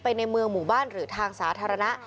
ในเมืองหมู่บ้านหรือทางสาธารณะ